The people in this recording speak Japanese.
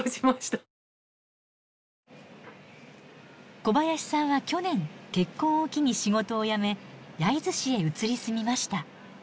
小林さんは去年結婚を機に仕事を辞め焼津市へ移り住みました。